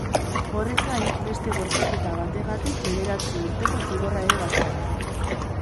Horrez gain, beste bortxaketa bategatik bederatzi urteko zigorra ere bazuen.